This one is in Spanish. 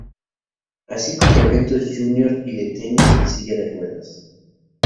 Así como eventos júnior y de tenis en silla de ruedas.